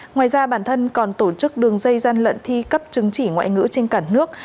ngoài ra bản thân còn tổ chức đường dây gian lận thi cấp chứng chỉ ngoại ngữ trên cả nước